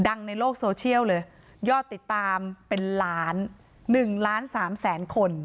ดังในโลกโซเชียลเลยยอดติดตามเป็นล้าน๑ล้านสามแสนคน